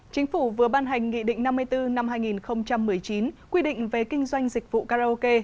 chính phủ vừa ban hành nghị định năm mươi bốn năm hai nghìn một mươi chín quy định về kinh doanh dịch vụ karaoke